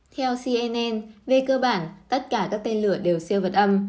theo cnn về cơ bản tất cả các tên lửa đều siêu vật âm